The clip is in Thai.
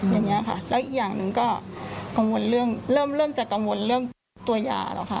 อย่างนี้ค่ะแล้วอีกอย่างหนึ่งก็กังวลเรื่องเริ่มจะกังวลเรื่องตัวยาหรอกค่ะ